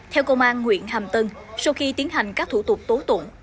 theo công an huyện hàm tân sau khi tiến hành các thủ tục tố tụng